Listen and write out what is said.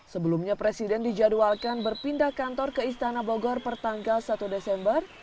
sebelumnya presiden dijadwalkan berpindah kantor ke istana bogor pertanggal satu desember